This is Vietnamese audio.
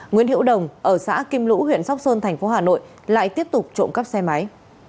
nguyễn hữu đồng ở xã kim lũ huyện sóc sơn thành phố hà nội lại tiếp tục trộm cắp xe máy